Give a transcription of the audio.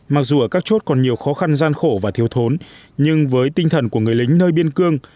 mặc dù ở các chốt còn nhiều khó khăn gian khổ và thiếu thốn nhưng với tinh thần của người lính nơi biên cương